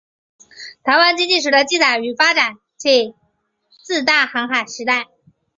台湾经济史的记载与发展起自大航海时代。